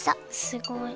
すごい！